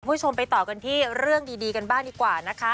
คุณผู้ชมไปต่อกันที่เรื่องดีกันบ้างดีกว่านะคะ